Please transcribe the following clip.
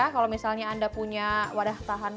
kalau misalnya anda punya wadah tahan